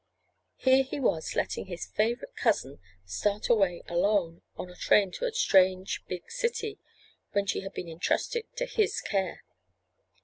Here he was letting his favorite cousin start away alone on a train to a strange big city, when she had been entrusted to his care.